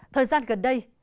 thời gian gần đây